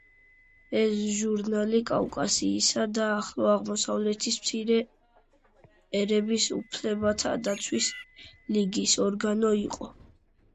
ეს ჟურნალი „კავკასიისა და ახლო აღმოსავლეთის მცირე ერების უფლებათა დაცვის ლიგის“ ორგანო იყო.